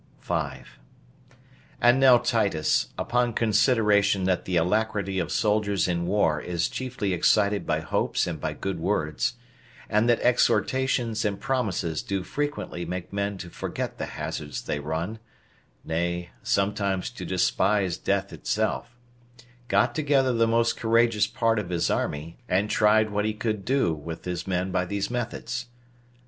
5. And now Titus, upon consideration that the alacrity of soldiers in war is chiefly excited by hopes and by good words, and that exhortations and promises do frequently make men to forget the hazards they run, nay, sometimes to despise death itself, got together the most courageous part of his army, and tried what he could do with his men by these methods.